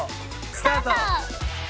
スタート！